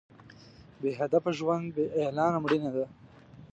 بې هدفه ژوند بې اعلانه مړینه ده.